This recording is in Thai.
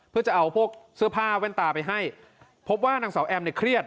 เพื่อจะเอาพวกเสื้อผ้าแว่นตาไปให้พบว่านางสาวแอมเนี่ยเครียด